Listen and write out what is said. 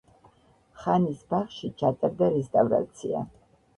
ხანის ბაღში ჩატარდა რესტავრაცია.